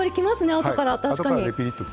あとから、確かに。